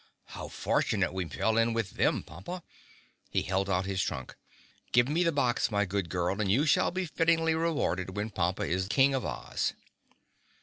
"How fortunate we fell in with them, Pompa." He held out his trunk. "Give me the box, my good girl, and you shall be fittingly rewarded when Pompa is King of Oz."